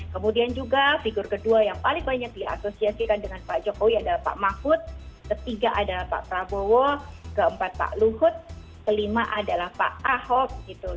kemudian juga figur kedua yang paling banyak diasosiasikan dengan pak jokowi adalah pak mahfud ketiga adalah pak prabowo keempat pak luhut kelima adalah pak ahok gitu